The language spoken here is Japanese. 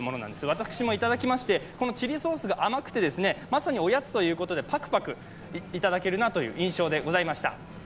私もいただきまして、このチリソースが甘くてまさにおやつということでパクパクいただけるなという印象でございました。